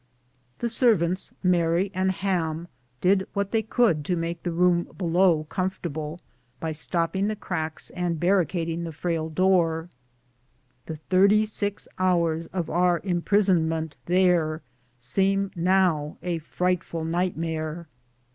The servants, Mary and Ham, did what they could to make the room below stairs comfortable by stopping the cracks and barricad ing the frail door. The thirty six hours of our impris onment there seems now a frightful nightmare.